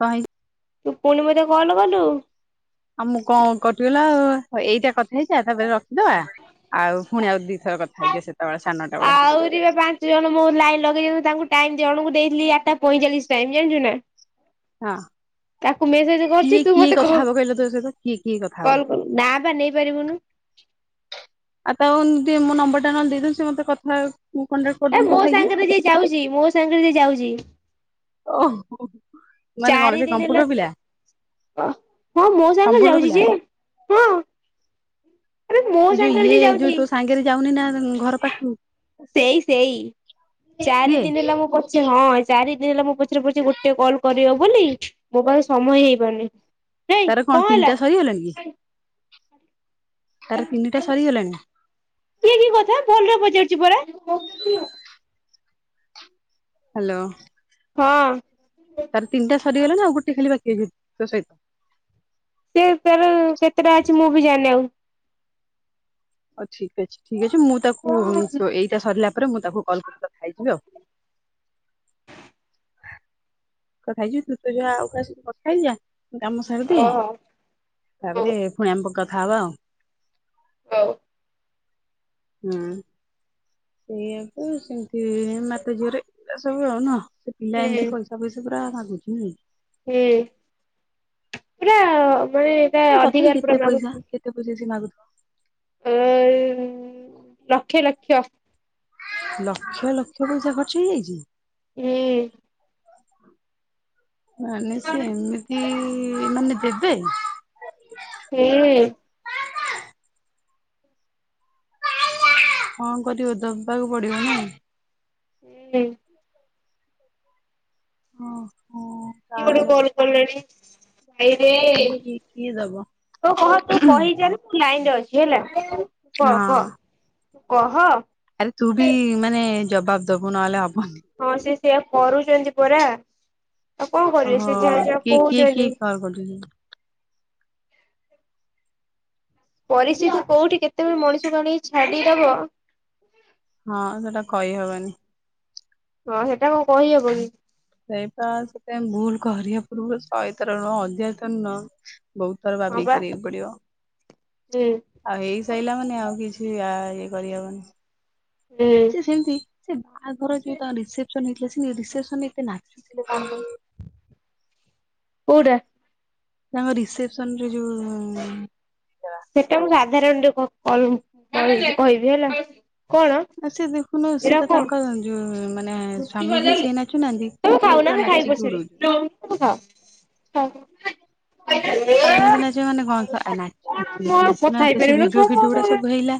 କଁହି ତୁ ପୁଣି ମତେ କଲ୍ କଲୁ? ଆଉ, ମୁଁ କଣ କଟିଗଲା ଆଉ, ଏଇଟା କଥା ହେଇଯା। ତା'ପରେ ରଖିଦବା ଆଉ ଫୁଣି ଆଉ ଦିଥର କଥା ହେଇଯିବା, ସେତେବେଳେ ସାନଟା ବେଳେ। ଆହୁରି ବା ପାଞ୍ଚ ଜଣ, ମୋ ଲାଇନ୍ ଲଗେଇଚନି ତାଙ୍କୁ ଟାଇମ୍ ଜଣଙ୍କୁ ଦେଇଥିଲି ଆଠଟା ପଇଁଚାଳିଶ ଟାଇମ୍ ଜାଣିଛୁନା! ହଁ ତାକୁ ମେସେଜ୍ କରିଛି, କିଏ ତୁ କିଏ ମତେ କଥା କହ ହବ କହିଲ ତୋ ସହିତ କିଏ କିଏ କଥା ହବ? କଲ୍ କଲୁ ନା ବା ନେଇ ପାରିବୁନୁ। ଆଉ, ତାଙ୍କୁ ଦିଅ ମୋ ନମ୍ବରଟା ନହେଲେ ଦେଇଦଉଛି, ସିଏ ମତେ କଥା ମୋ କଣ୍ଟାକ୍ଟ ଏ କରିଦେବି ମୋ କଥା ହେଇଯିବେ। ସାଙ୍ଗରେ ଯିଏ ଯାଉଛି, ମୋ ସାଙ୍ଗରେ ଯେ ଯାଉଛି। ଓହୋ! ମାନେ ଚାରି କଣ ସେ ଦିନ ହେଲା କମ୍ପୁଟର ପିଲା? ହଁ, ମୋ ସାଙ୍ଗେ କମ୍ପ୍ୟୁଟର ଯାଉଛି ପିଲା ଯେ। ହଁ ଆରେ ମୋ ସାଙ୍ଗରେ ଯେ ଯାଉଛି ଯାଉନିନା, ତାଂ ସେଇ ସେଇ, ଚାରି ସିଏ ଦିନ ହେଲା ମୋ ପଛ ହଁ, ଚାରି ଦିନ ହେଲା ମୋ ପଛରେ ପଡ଼ିଚି ଗୋଟେ କଲ୍ କରିବ ବୋଲି, ମୋ ପାଖରେ ସମୟ ହେଇପାରୁନି। ହେଇ ତାର କଣ ହେଲା ତିନିଟା ସରିଗଲାଣି କି? ତାର ତିନିଟା ସରିଗଲାଣି। ଇଏ କି କଥା ଭଲରେ ପଚାରୁଛି ପରା! ହ୍ୟାଲୋ। ହଁ। ତାର ତିନିଟା ସରିଗଲାଣି ଆଉ, ଗୋଟେ ଖାଲି ବାକି ଅଛି, ତୋ ସହିତ। ସେ ତାର କେତେଟା ଅଛି, ମୁଁ ବି ଜାନି ଆଉ। ହଉ ଠିକ୍ ଅଛି, ଠିକ୍ ଅଛି। ମୁଁ ତାକୁ ତୋ ଏଇଟା ସରିଲା, ପରେ ମୁଁ ତାକୁ କଲ୍ କରିିକି କଥା ହେଇଯିବି ଆଉ। କଥା ହେଇଯିବି। ତୁ ତୋର ଯା ଆଉ କାହା ସହିତ କଥା ହେଇଯା। ମୁଁ କାମ ସାରିଦିଁଏ। ଓହୋ ହଉ ତା'ପରେ ଫୁଣି ଆମେ କଥା ହେବା ଆଉ। ହଉ। ହୁଁ। ସେଇଆକୁ ସେମତି-ଇ ମାତା ଝିଅରେ ପିଲା ସବୁ ନୁହଁ। ସେ ପିଲା ହୁଁ ଏମିତି କହିଛି ଟଙ୍କା ପଇସା ପୁରା ମାଗୁଛି ନାହିଁ। ହୁଁ ପୁରା ମାନେ ଏଟା ଏ ତଥାପି ଅଧିକାର କେତେ ପୁରା ମାଗୁଚି। [unintelligible] ପଇସା ସେ ମାଗୁଥିବ। ଏଇ ଲକ୍ଷ ଲକ୍ଷ। ଲକ୍ଷ ଲକ୍ଷ ପଇସା ଖର୍ଚ୍ଚ ହେଇଯାଇଚି। ହୁଁ। ମାନେ ସେ ଏମିତି ମାନେ ଦେ [inaudible] ହୁଁ। କଣ କରିବ ଦବାକୁ ପଡିବ ନା। [unintelligible] ଓହୋ। କିଏ ଗୋଟେ ତାହେଲେ କଲ୍ କଲେଣି। ଭାଇରେ। ମାନେ କିଏ କିଏ ଦବ ମୁଁ ଲାଇନ୍ ରେ ଅଛି ହେଲା କ- ହଁ। କ- କହ। ଆରେ ତୁ ବି ମାନେ ଜବାବ୍ ଦବୁ ନହେଲେ ହବନି। ହଁ ସେ ସେୟା କରୁଚନ୍ତି ପରା ଆଉ କଣ କରିବେ ଓହୋ ସେ ଯାହା ଯାହା କିଏ କହୁଚନ୍ତି [unintelligible] ପରିସ୍ଥିତି କଉଠି କେତେବେଳେ ମଣିଷକୁ ଆଣି ଛାଡିଦବ ହଁ ସେଟା କହିହବନି। ହଁ ହେଟା କଣ କହିହବ କି? ସେଇଟା ସେଟା ଭୁଲ୍ କରିବା ପୂର୍ବୁରୁ ଶହେ ଥର ନୁହଁ ହଜାର୍ ଥର ନୁହଁ ବହୁତ୍ ଥରେ ହଁ ଭାବିକି ବା କରିବାକୁ ପଡିବ। ହୁଁ ଆଉ ହେଇସାଇଲା ମାନେ ଆଉ କିଛି ଇଏ କରିହବନି। ହୁଁ। ସେ ସେମିତି ସେ ବାହାଘର ଯଉ ତାଙ୍କ ରିସେପ୍ସନ୍ ହେଇଥିଲା ସେ ରିସେପ୍ସନ୍ ରେ ଏତେ ନାଚୁଥିଲେ କଣ କଉଟା? ତାଙ୍କ ରିସେପସନ୍ ରେ ଯଉ- ସେଟା ମୁଁ ସାଧାରଣରେ କ- କ- କହି- କହିବି ହେଲା। କଣ ଆ-ସିଏ ଦେଖୁନୁ ସିଏ ଏରା ତ କଣ ତାଙ୍କ ମୁଁ ମା ନା ସ୍ୱାମୀ ଯିଏ ସିଏ ନାଚୁନାହାନ୍ତି ତମେ ଇଏ ଖାଉନା ପୁରା ମୁଁ ଖାଇବି ନାଚିକି ପଛରେ ଉଡୋଉ [inaudible] ଆଉ ଏମିତି ନାଚିବ ମାନେ କଣ ଆ- କଣ ମୁଁ ଆଉ ନାଚି କଥା ନାଚି ସେ ହେଇପାରିବିନି ଭିଡିଓ ସମ ହଁ ହଁ ହଁ ଫିଡିଓ ସବୁ ହେଇଲା।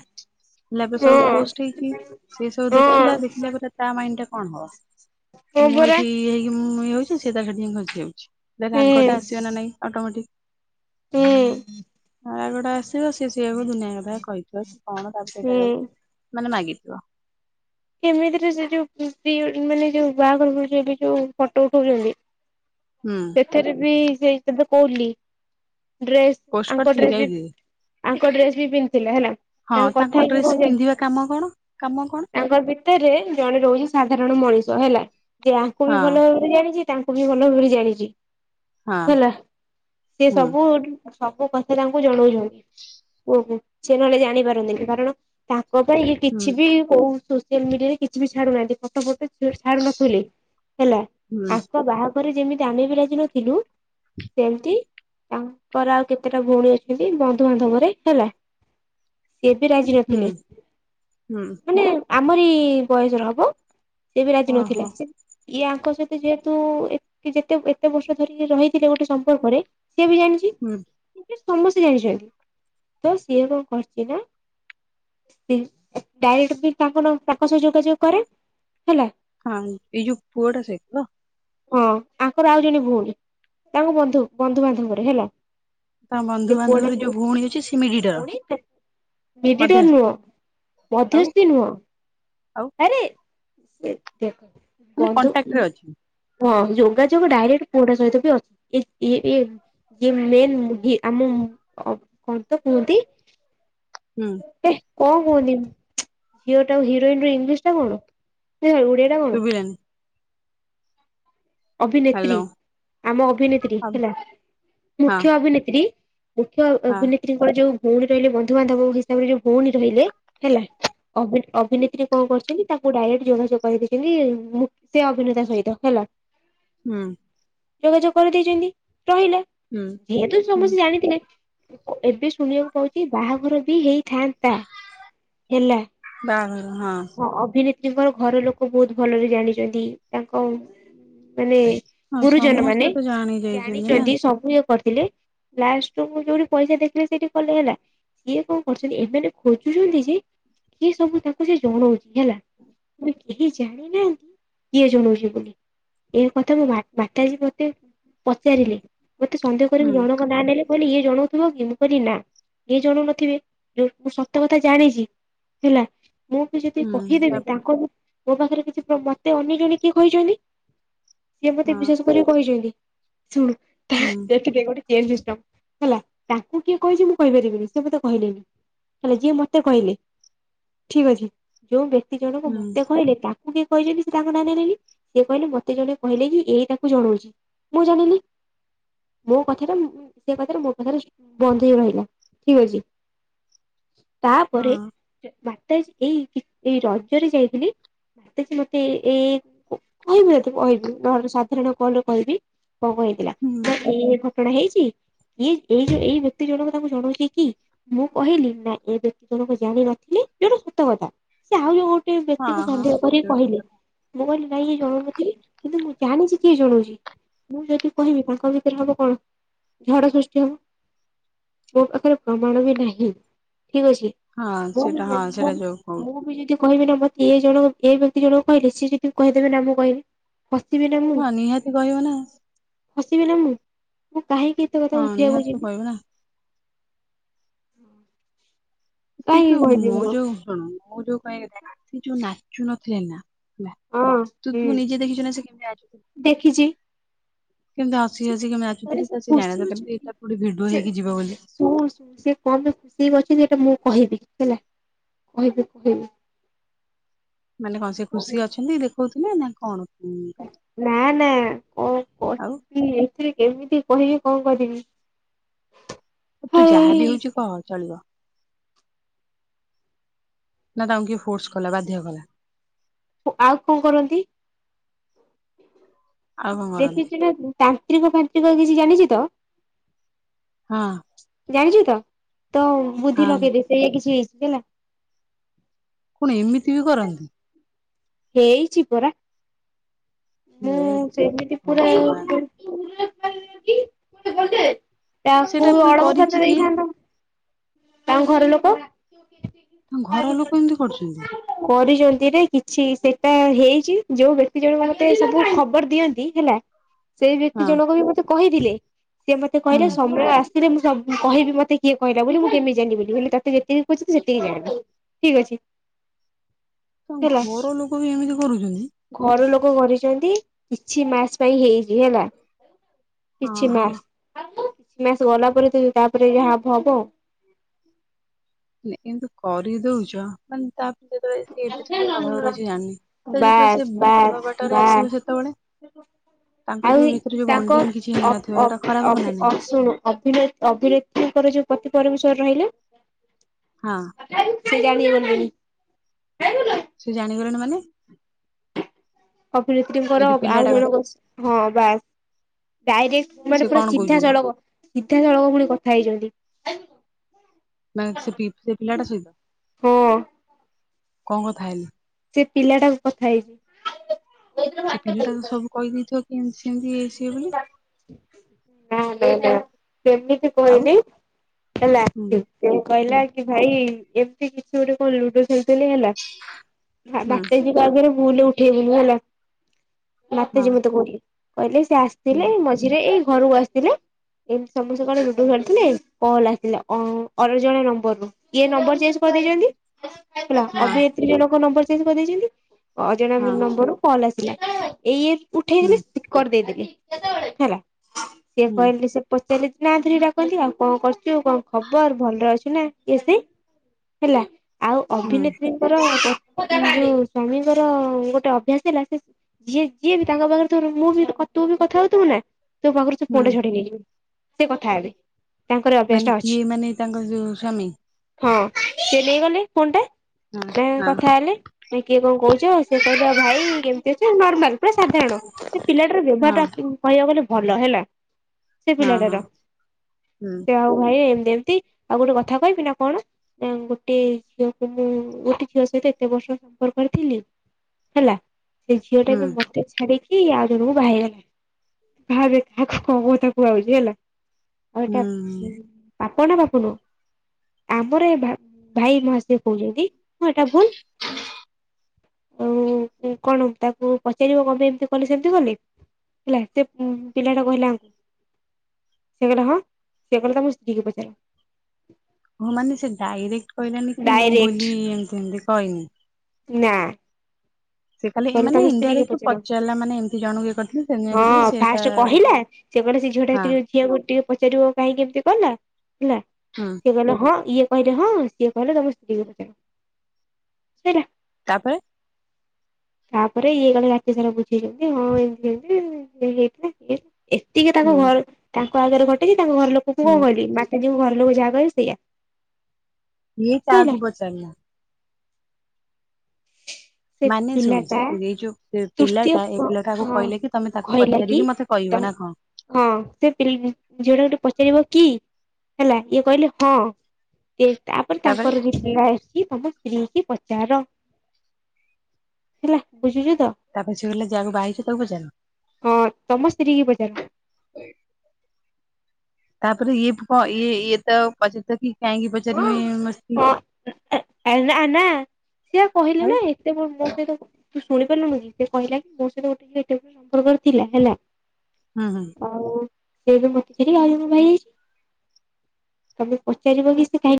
ହେଲା ପରେ ସବୁ ପୋଷ୍ଟ୍ ହେଇଚି ସେ ସବୁ ଦେଖିଲା -ଦେଖିଲା ପରେ ତା ମାଇଣ୍ଡ୍ ଟା କଣ ହବ ମୁଁ ପରା ଏଇଠି ଇଏ ହେଇକି ଇଏ ହଉଚି ସିଏ ତାର ସେଠୀ ଖସି ଯାଉଚି। ହୁଁ ହୁଁ ରାଗଟା ଆସିବ ନା ନାଇଁ ଅଟୋମେଟିକ୍। ହୁଁ। ରାଗ ଟା ଆସିବ ସିଏ ସେଇଆକୁ ଦୁନିଆ କଥା କହିଥିବ କି କଣ ତାପରେ ହୁଁ। ସେଇଟା ମାନେ ମାଗିଥିବ। କେମିତିରେ ସେ ଯଉ ପ୍ରି ୱେଡିଙ୍ଗ୍ ମାନେ ଯଉ ବାହାଘର ଯଉ ଫଟୋ ଉଠଉଚନ୍ତି ହୁଁ। ସେଥେରେ ବି [unintelligible] ଡ୍ରେସ୍ ପୋଷ୍ଟ ଆଙ୍କ କରିଥିଲି କି ଡ୍ରେସ୍ ଏଇ ବି ଦିଦି ଆଙ୍କ ଡ୍ରେସ୍ ବି ପିନ୍ଧିଥିଲା ହେଲା ହଁ ତାଙ୍କ କଥା ହେଇକି ଡ୍ରେସ [unintelligible] ପିନ୍ଧିବା କାମ କଣ -କାମ କଣ। ତାଙ୍କ ଭିତରେ ଜଣେ ରହୁଚି ସାଧାରଣ ମଣିଷ ହେଲା ଯିଏ ଆଙ୍କୁ ବି ହଁ ଭଲ ଭାବରେ ଜାଣିଚି ତାଙ୍କୁ ବି ଭଲ ଭାବରେ ଜାଣିଚି ହଁ ହେଲା ସେ ସବୁ ସବୁ କଥା ତାଙ୍କୁ ଜଣଉଚନ୍ତି ପୁଅକୁ ସେ ନହେଲେ ଜାଣି ପାରନ୍ତେନି କାରଣ ତାଙ୍କ ପାଇଁ ଇଏ ହୁଁ କିଛି ବି କଉ ସୋସିଆଲ୍ ମିଡିଆ ରେ କିଛି ବି ଛାଡୁନାହାନ୍ତି ଫଟୋ ଫଟୋ ସେ ସାରୁ ନଥିଲେ ହେଲା ହୁଁ ଆଙ୍କ ବାହାଘର ଯେମିତି ଆମେ ବିି ରାଜି ନଥିଲୁ ସେମିତି ତାଙ୍କର ଆଉ କେତେଟା ଭଉଣୀ ଅଛନ୍ତି ବନ୍ଧୁବାନ୍ଧବରେ ହେଲା ସେ ବି ରାଜି ହୁଁ ନଥିଲେ ହୁଁ ହୁଁ ମାନେ ଆମରି ବୟସ ର ହବ ସେ ବି ରାଜି ଓହୋ ନଥିଲା ସେ ଇଏ ଆଙ୍କ ସହିତ ଯେହେତୁ ଯେତେ ଏତେ ବର୍ଷ ଧରି ରହିଥିଲେ ଗୋଟେ ସମ୍ପର୍କରେ ସିଏ ବି ଜାଣିଚି। ହୁଁ ସମସ୍ତେ ଜାଣିଛନ୍ତି ତ ସିଏ କଣ କରଛି ନା ଡାଇରେକ୍ଟ ବି ତାଙ୍କ ତାଙ୍କ ସହ ଯୋଗାଯୋଗ କରେ ହେଲା। ହଁ ଏଇ ଯୋଉ ପୁଅଟା ସହିତ ତ। ହଁ ତାଙ୍କର ଆଉ ଜଣେ ଭଉଣୀ ତାଙ୍କ ବନ୍ଧୁ ବନ୍ଧୁବାନ୍ଧବରେ ହେଲା। ତାଙ୍କ ସେ ପୁଅଟା ବନ୍ଧୁବାନ୍ଧବରେ ଯୋଉ ଭଉଣୀ ଅଛି ସେ ମିଡିଏଟର। ମିଡିଏଟର ନୁହଁ ଆଉ ମଧ୍ୟସ୍ଥି ନୁହଁ। ଆଉ ଆରେ ସେ ଦେଖ ମାନେ ବନ୍ଧୁ କଣ୍ଟାକ୍ଟରେ ଅଛି ହଁ ଯୋଗାଯୋଗ ଡାଇରେକ୍ଟ ପୁଅଟା ସହିତ ବି ଅଛି ଏ ଇଏ ମେନ୍ ମୁହି ଆମ କଁ ତ କୁହନ୍ତି। ହୁଁ। ଏ କଣ କୁହନ୍ତି ଝିଅ ଟାକୁ ହିରୋଇନ ର ଇଂଲିଶ ଟା କଣ ନା ଓଡିଆ ଟା କଣ? ଶୁଭିଲାନି ଅଭିନେତ୍ରୀ ହ୍ୟାଲୋ ଆମ ଅଭିନେତ୍ରୀ ଆଉ ହେଲା ହଁ ମୁଖ୍ୟ ଅଭିନେତ୍ରୀ ମୁଖ୍ୟ ହଁ ଅଭିନେତ୍ରୀଙ୍କର ଯୋଉ ଭଉଣୀ ରହିଲେ ବନ୍ଧୁବାନ୍ଧବ ହିସାବରେ ଯୋଉ ଭଉଣୀ ରହିଲେ ହେଲା। ଅଭିନେତ୍ରୀ କଣ କରୁଛନ୍ତି ତାକୁ ଡାଇରେକ୍ଟ ଯୋଗାଯୋଗ କରିଦେଇଛନ୍ତି ମୁଖ୍ୟ ଅଭିନେତା ସହିତ ହେଲା। ହୁଁ। ଯୋଗାଯୋଗ କରିଦେଇଛନ୍ତି ରହିଲେ ହୁଁ ଯେହତୁ ହୁଁ ସମସ୍ତେ ଜାଣି ଥିଲେ। ଏବେ ଶୁଣିବାକୁ ପାଉଛି ବାହାଘର ବି ହେଇଥାନ୍ତା ହେଲା। ବାହାଘର ହଁ। ଅଭିନେତ୍ରୀଙ୍କର ଘର ଲୋକ ବହୁତ ଭଲରେ ଜାଣିଛନ୍ତି ତାଙ୍କ ମାନେ ହଁ ଗୁରୁଜନ ସମସ୍ତେ ମାନେ ତ ଜାଣି ଯାଇଛନ୍ତି ନା ଜାଣିଛନ୍ତି ସବୁ ଇଏ କରିଥିଲେ। ଲାଷ୍ଟ କୁ ଯୋଉଠି ପଇସା ଦେଖିଲେ ସେଇଠି କଲେ ହେଲା ସିଏ କଣ କରୁଛନ୍ତି ଏମାନେ ଖୋଜୁଛନ୍ତି ଯେ ଇଏ ସବୁ ତା ସେ ଜଣଉନି ହେଲା ମାନେ କେହି ଜାଣିନାହାନ୍ତି କିଏ ଜଣଉଛି ବୋଲି। ଏ କଥା ମୋ ବାଟାଜୀ ମତେ ପଚାରିଲେ ମତେ ସନ୍ଦେହ ହୁଁ କରିବି ଜଣ ନାଁ ନେଲେ କହିଲି ଇଏ ଜଣଉଥିବ କି ମୁଁ କହିଲି ନା। ଏ ଜଣୁନଥିବେ ଯୋଉ ମୁଁ ସତ କଥା ଜାଣିଛି ହେଲା। ମୁଁ ବି ଯଦି ହୁଁ କହିଦେବି ତାପରେ ତାଙ୍କ ମୋ ପାଖରେ କିଛି ମତେ ଅନ୍ୟ ଜଣେ କିଏ କହିଛନ୍ତି। ସିଏ ମତେ ହଁ ବିସ୍ୱାସ କରି କହିଛନ୍ତି ଶୁଣୁ, ତା ହୁଁ ରଇଥ ଟିକେ ଗୋଟେ ଚେନ୍ ସିଷ୍ଟମ୍ ହେଲା ତାଙ୍କୁ କିଏ କହିଛି ମୁଁ କହିପାରିବିନି ସେ ମୋତେ କହିଲେନି। ହେଲେ ଯିଏ ମତେ କହିଲେ ଠିକ ଅଛି ଯୋଉ ବ୍ୟକ୍ତି ଜଣଙ୍କୁ ହୁଁ ମତେ କହିଲେ ତାକୁ ତାଙ୍କୁ କିଏ କହିଛନ୍ତିି ସେ ତାଙ୍କ ନାଁ ନେଲେନି ସିଏ କହିଲେ କି ମତେ ଜଣେ କହିଲେ କି ଏଇ ତାକୁ ଜଣଉଛି। ମୁଁ ଜାଣିନି। ମୋ କଥାଟା ସେ କଥାରେ ମୋ କଥା ବନ୍ଦ ହେଇ ରହିଲା ଠିକ ଅଛି। [inaudible] ତାପରେ ହଁ ମାତା ଏଇ ଏଇ ରଜରେ ଯାଇଥିଲି ମତେ ସେ ମତେ ଏଇ କହିବିତତେ କହିବି ନହେଲେ ସାଧାରଣ କଲ୍ ରେ କହିବି କଣ କଣ ହେଇଥିଲା ହୁଁ ତ ଏଇ ଏଇ ଘଟଣା ହେଇଛି ଇଏ ଏଇ ଯୋଉ ଏଇ ବ୍ୟକ୍ତି ଜଣକ ତାଙ୍କୁ ଜଣଉଛି କି? ମୁଁ କହିଲି ନା ଏ ବ୍ୟକ୍ତି ଜଣକ ଜାଣିନଥିଲେ ଯୋଉଟା ସତ କଥା ସେ ଆଉ ଯୋଉ ଗୋଟେ ହଁ ବ୍ୟକ୍ତିକୁ ହଁ ସନ୍ଦେହ ସେ କରି ଯୋଉ ଠିକ କହିଲେ କଥା ମୁଁ କହିଲି ନାଇଁ ଇଏ ଜନୋଉନାତି କିନ୍ତୁ ମୁଁ ଜାଣିଛି କିଏ ଜଣଉଛି। ମୁଁ ଯଦି କହିବି ତାଙ୍କ ଭିତରେ ହବ କଣ ଝଡ଼ ସୃଷ୍ଟି ହବ। ମୋ ପାଖରେ ପ୍ରମାଣ ବି ନାହିଁ ଠିକ୍ ଅଛି। ହଁ ମୁଁ ସେଇଟା ବି ହଁ ମୁଁ ସେଇଟା ଯୋଉ କହୁଚୁ ମୁଁ ବି ଯଦି କହିବି ନା ମତେ ଏ ଜଣ ଏ ବ୍ୟକ୍ତି ଜଣକ କହିଲେ ସିଏ ଯଦି କହିଦେବେ ନା ମୁଁ କହିନି ଫସିବି ନା ମୁଁ ହଁ ନିହାତି କହିବ ନା ଫସିବି ନା ମୁଁ ମୁଁ କାହିଁକି? ଏତେ କଥା ହଁ ଉଠେଇବାକୁ ନିହାତି ତ ଯିବି। କହିବ ନା ସେ କାହିଁକି ଯୋଉ କହିବି ମୁଁ ଯୋଉ ଶୁଣ ମୁଁ [unintelligible] ଯୋଉ ନାଚୁ ନଥିଲେ ନା। ନା ହଁ ତୁ ହୁଁ ତୁ ନିଜେ ଦେଖିଛୁ ନା ସେ କେମିତି ନାଚୁ [unintelligible] ହଁ ମୁଁ ତ ସେ ଜାଣି ଖୁସି ନଥିଲା କେମିତି ଏଇଟା କୋଉଠି ଭିଡିଓ ହେଇକି ହେଇକି ଯିବ ବୋଲି। ଅଛି ଯେ ଏଟା ମୁଁ କହିବି ହେଲା କହିବି କହିବି ମାନେ କଣ ସେ ଖୁସି ଅଛନ୍ତି ଦେଖୋଉଥିଲେ ନା କଣ? ନା ନା କଣ ଆଉ କହିବି ଏଥିରେ କେମିତି କହିବି କଣ କରିବି? ତୁ ଯାହାବି ହେଇ ହଉଛୁ କହ ଚଳିବ? ନା ତାଙ୍କୁ କିଏ ଫୋର୍ସ କଲା ବାଧ୍ୟ କଲା? ଆଉ କଣ କରନ୍ତି? ଆଉ କଣ କରନ୍ତି। ଦେଖିଚୁ ନା ତାନ୍ତ୍ରିକ ଫାନ୍ତ୍ରିକ କିଛି ଜାଣିଛି ତ ହଁ। ଜାଣିଛୁ ତ ତ ବୁଦ୍ଧି ହଁ ଲଗେଇଦେ ସେଇଆ କିଛି ହେଇଛି ହେଲା କଣ ଏମିତି ବି କରନ୍ତି? ହେଇଛି ପରା। ହୁଁ ହେ ସେମିତି ପୁରା ଭଗବାନ। ସେଇଟା ତାକୁ ପୁଣି ଅଳପ କରିଛି ଭାତ କିଏ ଦେଇଥାନ୍ତ କଣ ଘର ଲୋକ? ତାଙ୍କ ଘର ଲୋକ ଏମିତି କରୁଛନ୍ତି କରିଛନ୍ତି ରେ କିଛି ସେଟା ହେଇଛି ଯୋଉ ବ୍ୟକ୍ତି ଜଣକ ମତେ ସବୁ ଖବର ଦିଅନ୍ତି ହେଲା? [inaudible] ସେଇ ବ୍ୟକ୍ତି ଜଣକ ବି ମତେ କହିଥିଲେ ସିଏ ମତେ କହିଲେ ହୁଁ। ସମୟ ଆ ସେଥିରେ ମୁ ସବୁ କହିବି ମତେ କିଏ କହିଲ ବୋଲି ମୁଁ କେମିତି ଜାଣିପାରିବୁ ହେଲା ତତେ ଯେତିକି କହୁଛନ୍ତି ସେତିକି ଜାଣିଥା ଠିକ ଅଛି। ହେଲା ତାଙ୍କ ଘର ଲୋକ ବି ଏମିତି କରୁଛନ୍ତି? ଘର ଲୋକ କରିଛନ୍ତି କିଛି ମାସ ହେଇଛି ହେଲା ହଁ କିଛି ହଁ। ମାସ କିଛି ମାସ ଗଲା ପରେ ତ ତାପରେ ଯା ହବ ହବଆଉ ଏମିତି କରିଦଉଛ ମାନେ ତା ଯେତେବେଳେ ସେ ଏବେ ସିନା ପ୍ରଭାବରେ ଅଛି ଜାଣିନି ସେ ଯେତେବେଳେ ସେ ବାସ୍ ଭଲ ବାସ୍ ବାଟରେ ଆସିବ ସେତେବେଳେ? [inaudible] ଯୋଉ ଆଉଏ ଭିତରେ ଯୋଉ ତାଙ୍କ ବଣ୍ଡିଙ୍ଗ କିଛି ଅପ୍- ହେଇନଥିବ ସେଟା ଅପ୍ ଖରାପ - ହବ ଅପ୍ ନା - ନାଇଁ ଅସୁଣୁ ଅଭି ଅଭିନେତ୍ରୀଙ୍କର ଯୋଉ ପତି ପରମେଶ୍ୱର ରହିଲେ ହଁ। [unintelligible] ସେ ଜାଣିଗଲେଣି ମାନେ? ଏଇ ଅଭିନେତ୍ରୀଙ୍କର ଯୋଉ ଆଉ ପିଲାଟା ଜଣ କଥା ବସ୍ ହଁ ବାସ୍। ଡାଇରେକ୍ଟ ସେ ମାନେ ପୁରା କଣ ସିଧା କହୁଛନ୍ତି ସଳଖ ସିଧା ସଳଖ ପୁଣି କଥା ହେଇଛନ୍ତି। ମାନେ ସେ ସେ ପିଲା ଟା ସହିତ ହଁ କଣ କଥା ହେଲେ? ସେ ପିଲାଟାକୁ କଥା ହେଇଛିି। ସେ ପିଲାଟା ତ ସବୁ କହିଦେଇଥିବ କେମିତି ସେମିତି ଇଏ ସିଏ ବୋଲି। ନା ଦେଇ ନା ସେମିତି। ଆଉ କହିଲି ହେଲା ହୁଁ କି ସେ ହୁଁ କହିଲା ଭାଇ ଏମିତି କିଛି ଗୋଟେ କଣ ଲୁଡୁ ଖେଳୁଥିଲେ ହେଲା ହଁ ହୁଁ ମତେ ଆଗରୁ ଭୁଲରେ ଉଠେଇ ବୁନି ହେଲା ରାତି ହଁ ଯେ ମତେ କହିଲେ କହିଲେ ସେ ଆ ହୁଁ ଥିଲେ ଏ ମଝିରେ ଏଇ ଘରକୁ ଆସିଥିଲେ। ଏମିତି ସମସ୍ତେ କାଳେ ଲୁଡୁ ଖେଳୁଥିଲେ କଣ ହେଲା ଥିଲା କଣ ଅନ୍ୟ ଜଣ ନମ୍ୱର୍ ରୁ କିଏ ନମ୍ବର ଚେଞ୍ଜ କରିଦେଇଛନ୍ତି। ହେଲା ହଁ ଅଭିନେତ୍ରୀ ଜଣକ ନମ୍ବର କରିଦେଇଛନ୍ତି ଅଜଣା ହଁ ନମ୍ବର ରୁ କଲ୍ ଆସିଲା ଏଇ ଇଏ ଉଠେଇ ହୁଁ କି ସ୍ପିକର ଦେଇଦେଲି ହେଲା। ସିଏ ହୁଁ କହିଲେ ସେ ପଚାରିଲେ ନା ଧରିକି ଡାକନ୍ତି। ଆଉ କଣ କରୁଛୁ କଣ ଖବର ଭଲରେ ଅଛୁ ନା ଇଏ ସିଏ ହେଲା ଆଉ ହୁଁ ଅଭିନେତ୍ରୀ ର ଯୋଉ ସ୍ଵାମୀଙ୍କର ଗୋଟେ ଅଭ୍ୟାସ ହେଲା ସେ ଯିଏ ଯିଏ ବି ତାଙ୍କ ପାଖରେ ଥିବ ଧର ମୁଁ ବି ତୁ ବି କଥା ହଉଥିବୁ ନା ତୋ ପାଖରୁ ସେ ଫୋନ ଟା ହୁଁ ଛଡେଇ ନେଇଯିବେ ସେ କଥା ହେବେ। ତାଙ୍କର ଅଭ୍ୟାସ ମାନେ ଟା ଅଛି କିଏ ମାନେ ତାଙ୍କର ଯୋଉ ସ୍ଵାମୀ? ହଁ ସିଏ ନେଇଗଲେ ଫୋନ୍ ଟା ହଁ ନା ହଁ କଥା ହେଲେ। ଆ କିଏ କଣ କହଚ। ସିଏ କହିଲ ଆଉ ଭାଇ କେମିତି ଅଛ ନର୍ମାଲ ପୁରା ସାଧାରଣ ସେ ପିଲା ଶୋଭା ହଁ ଟା କହିବାକୁ ଗଲେ ଭଲ ହେଲା। ସେ ହଁ ହଁ ପିଲାଟାର। ହୁଁ ସେ ଆଉ ଭାଇ ଏମିତି ଏମିତି ଆଉ ଗୋଟେ କଥା କହିବି ନା କଣ? ନା ଗୋଟେ ଝିଅକୁ ମୁଁ ଗୋଟେ ଝିଅ ସହିତ ଏତେ ବର୍ଷ ସମ୍ପର୍କରେ ଥିଲି। ହେଲା ସେ ଝିଅ ଟା ହୁଁ ଏବେ ମତେ ଛାଡିକି ଆଉ ଆଉ ଜଣ ଙ୍କୁ ବାହା ହେଇଗଲା ଭାବେ କାହାକୁ କଉ କଥା କୁହା ହଉଚି ହେଲା। ଆଉ ଏଇଟା ହୁଁ ପାପ ନା ପାପ ନୂହ? ଆମର ଏ ଭା ଭାଇ ମହାଶୟ କହୁଚନ୍ତି ହଁ ଏଟା ଭୁଲ। ଆଉ କଣ ତାକୁ ପଚାରିବ କଣ ପାଇଁ ଏମିତି କଲେ ସେମ ବୋଲି। ହେଲା ସେ ଉଁ ପିଲାଟା କହିଲା ସେ କହିଲା ହଁ ସେ କହିଲା ତମ ସ୍ତ୍ରୀକୁ ପଚାର। ହଁ ମାନେ ସେ ଡାଇରେକ୍ଟ କହିଲାନି କି ମୁଁ ଡାଇରେକ୍ଟ ବୋଲି ଏମିତି ଏମିତି କହିନି। ନା। ସେ ଖାଲି କହିଲା ମାନେ ତମ ସ୍ତ୍ରୀ କୁ ଇନଡାଇରେକ୍ଟ ପଚାର। ପଚାରିଲା ମାନେ ଏମିତି ଜଣଙ୍କୁ ଇଏ କରିଥିଲି ସେମିତି ଇଏ କରିଥିଲି ହଁ ସେଇଟା ଫାର୍ଷ୍ଟ କହିଲା। ସେ କହିଲା ସେ ଝିଅ ଟା ହଁ ଟିକେ ଝିଅକୁ ଟିକେ ପଚାରିବ କାହିଁକି ଏମିତି କଲା ହେଲା। ହଁ। ସେ କହିଲା ହଁ। ଇଏ କହିଲେ ହଁ। ସିଏ କହିଲା ତମ ସ୍ତ୍ରୀ କୁ ପଚାର। ସଇଲା। ତାପରେ ତାପରେ ଇଏ କାଳେ ରାତି ସାରା ବୁଝେଇଚନ୍ତି। ହଁ ଏମିତି ଏମିତି ଇଏ ହେଇଥିଲା ଇଏ ଏତିକି ତାଙ୍କ ହୁଁ ଘର ତାଙ୍କ ଆଗରେ ଘଟିଚି। ତାଙ୍କ ଘର ଲୋକଙ୍କୁ ହୁଁ କଣ କହିଲି ମାତାଜୀଙ୍କୁ ଘର ଲୋକ ଯାହା କହେଲେ ସେୟା। ଇଏ କାହାକୁ ପଚାରିଲା? ସେ ମାନେ ଶୁଣ ସେ ପିଲାଟା ଏଇ ଯୋଉ ତୃତୀୟ ପି-ପିଲାଟା ଏଇ ପିଲାଟାକୁ ହଁ କହିଲା କି ତମେ ତାକୁ କହିଲା କି ପଚାରିକି ମତେ ତ କହିବ ନା କଣ? ହଁ ସେ ପି ଝିଅ ଟାକୁ ଟିକେ ପଚାରିବ କି? ହେଲା ଇଏ କହିଲେ ହଁ। କ ତାପରେ ତାଙ୍କର ଯଉ ପିଲା ଆସିଚି ତମ ସ୍ତ୍ରୀ କି ପଚାର। ହେଲା ବୁଝୁଚୁ ତ। ତାପରେ ସେ କହିଲା ଯାହାକୁ ବାହା ହେଇଛ ତାକୁ ପଚାର ହଁ ତମ ସ୍ତ୍ରୀ କି ପଚାର। ତାପରେ ଇଏ ବି କଣ ଇଏ ଇଏ ତ ପଚାରି ଥିବ କି କାହିଁକି ପଚାରିବି ମୋ ସ୍ତ୍ରୀ ହଁ ଆ ଆ ଆ ନା ନା ସିଏ କହିଲେ ଆଉ ନାଇ ସେ କଣ ମୋ ସହିତ ତୁ ଶୁଣି ପାରିଲୁନୁ କି ସେ କହିଲା କି ମୋ ସହିତ ଗୋଟେ ଇଏ ଟାଇପ ର ସମ୍ପର୍କରେ ଥିଲା ହେଲା। ଉଁ ହୁ। ଆଉ ସେ ଏବେ ମତେ ଛାଡିକି ଆଉ ଜଣଙ୍କୁ ବାହା ହେଇ ଯାଇଚି। ତମେ ପଚାରିବ କି ସେ କାହିଁକି